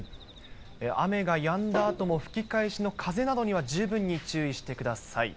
雨がやんだあとも、吹き返しの風などには十分に注意してください。